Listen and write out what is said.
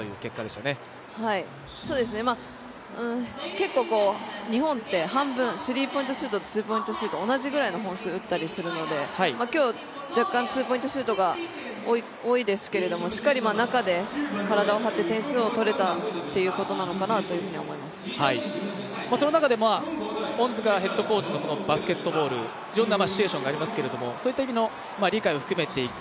結構、日本ってスリーポイントとツーポイントシュート同じくらいの本数打ったりするので多いですけどもしっかり中で体を張って点数を取れたということなのかなとその中で恩塚ヘッドコーチのこのバスケットボールいろんなシチュエーションがありますけれどもそういった意味の理解を深めていく。